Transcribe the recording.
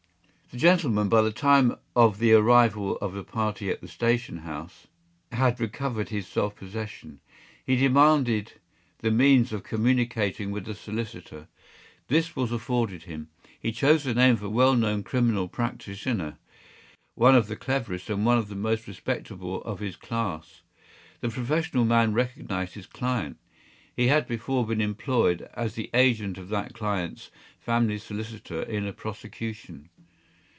The gentleman, by the time of the arrival of the party at the station house, had recovered his self possession. He demanded the means of communicating with a solicitor. This was afforded him. He chose the name of a well known criminal practitioner, one of the cleverest and one of the most respectable of his class. The professional man recognised his client. He had before been employed as the agent of that client’s family solicitor in a prosecution.